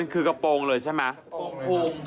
มันคือกระโปรงเลยใช่ไหมครับกระโปรง